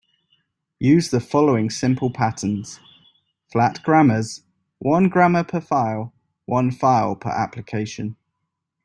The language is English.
Use the following simple patterns: flat grammars, one grammar per file, one file per application.